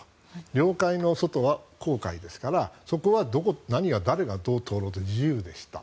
領海の外は公海ですからそこは何が誰がどう通ろうと自由でした。